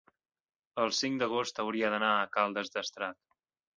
el cinc d'agost hauria d'anar a Caldes d'Estrac.